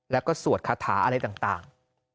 แล้วก็สวดคาถาอะไรต่าง